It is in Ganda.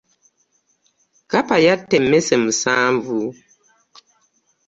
Kkapa yatta emmese musanvu.